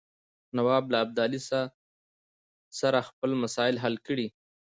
نواب له ابدالي سره خپل مسایل حل کړي.